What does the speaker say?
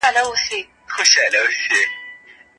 که کوم شی مو بد ايسي نو بيخي يې مه پريږدئ.